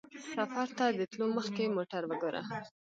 سفر ته د تلو مخکې موټر وګوره.